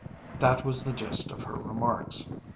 That was the gist of her remarks.